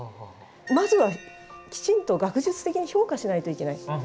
まずはきちんと学術的に評価しないといけない。